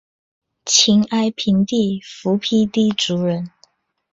秦哀平帝苻丕氐族人。